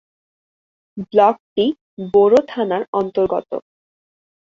ব্লকটি বোরো থানার অন্তর্গত।